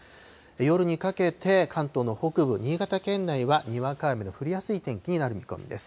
夜にかけて、関東の北部、新潟県内はにわか雨の降りやすい天気になる見込みです。